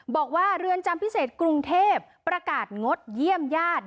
บอกว่าเรือนจำพิเศษกรุงเทพประกาศงดเยี่ยมญาติ